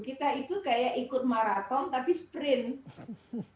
kita itu kayak ikut maraton tapi sprint